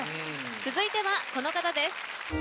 続いてはこの方です。